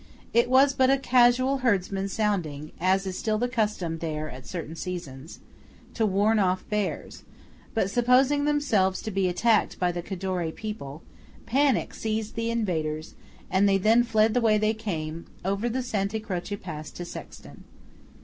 It was but a casual herdsman sounding, as is still the custom there at certain season, to warn off bears; but supposing themselves to be attacked by the Cadore people, panic seized the invaders, and they fled the way they came, over the Santa Croce pass to Sexten."